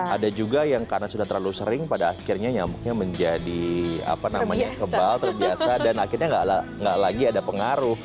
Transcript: ada juga yang karena sudah terlalu sering pada akhirnya nyamuknya menjadi kebal terbiasa dan akhirnya nggak lagi ada pengaruh